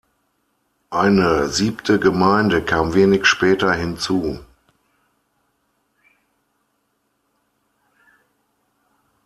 Eine siebte Gemeinde kam wenig später hinzu.